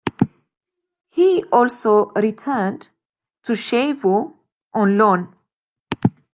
He also returned to Chievo on loan.